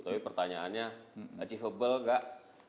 tapi pertanyaannya achievable enggak